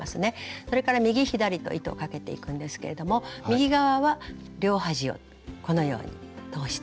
それから右左と糸をかけていくんですけれども右側は両端をこのように通してす。